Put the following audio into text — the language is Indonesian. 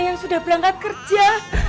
yang sudah berangkat kerja